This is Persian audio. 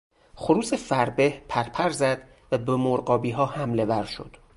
خروس فربه پرپر زد و به مرغابیها حملهور شد.